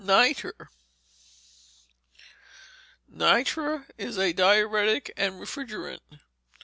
Nitre Nitre is a diuretic and refrigerant.